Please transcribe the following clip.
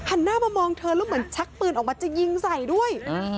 หันหน้ามามองเธอแล้วเหมือนชักปืนออกมาจะยิงใส่ด้วย